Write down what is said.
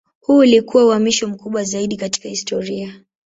Huu ulikuwa uhamisho mkubwa zaidi katika historia.